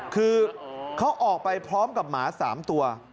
คือเขาออกไปพร้อมกับหมา๓ตัว